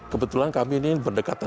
kebetulan kami ini berdekatan